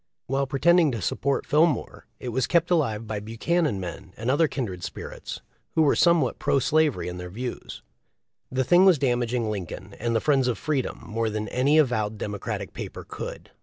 While pretending to support Fillmore it was kept alive by Buchanan men and other kindred spirits, who were somewhat pro slavery in their views. The thing was damaging Lincoln and the friends of freedom more than an avowed Democratic paper could.